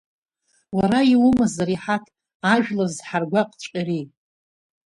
Уара иумазар иҳаҭ, ажәлар зҳаргәаҟҵәҟьари?